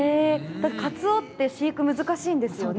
カツオって飼育が難しいんですよね。